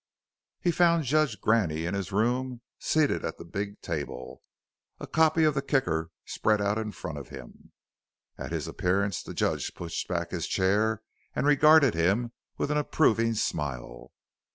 He found Judge Graney in his room, seated at the big table, a copy of the Kicker spread out in front of him. At his appearance the Judge pushed back his chair and regarded him with an approving smile.